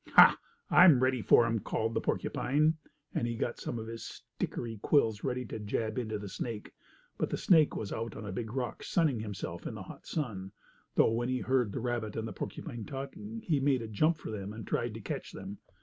"Ha! I'm ready for him!" called the porcupine, and he got some of his stickery quills ready to jab into the snake. But the snake was out on a big rock, sunning himself in the hot sun, though when he heard the rabbit and porcupine talking he made a jump for them and tried to catch them.